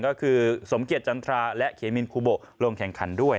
ก็คือสมเกียจจันทราและเขมินคูโบลงแข่งขันด้วย